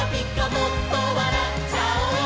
もっと笑っちゃおう！」